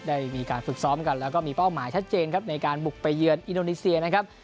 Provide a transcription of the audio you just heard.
ได้มีการฝึกซ้อมกันแล้วก็มีเป้าหมายชัดเจนครับในการบุกไปเยือนอินโดนีเซียนะครับ